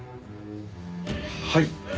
はい。